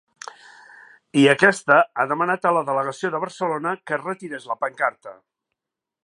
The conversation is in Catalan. I aquesta ha demanat a la delegació de Barcelona que es retirés la pancarta.